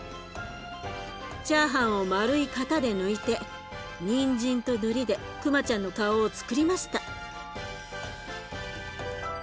チャーハンを丸い型で抜いてにんじんとのりでくまちゃんの顔をつくりました。